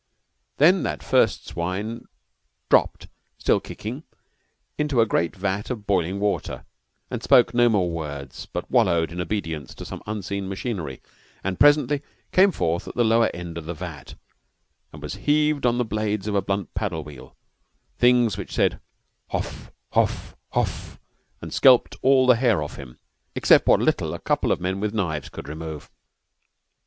Then that first stuck swine dropped, still kicking, into a great vat of boiling water, and spoke no more words, but wallowed in obedience to some unseen machinery, and presently came forth at the lower end of the vat, and was heaved on the blades of a blunt paddle wheel, things which said "Hough, hough, hough!" and skelped all the hair off him, except what little a couple of men with knives could remove.